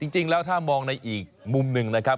จริงแล้วถ้ามองในอีกมุมหนึ่งนะครับ